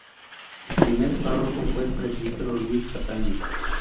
El primer párroco fue el presbítero Luis Cataño.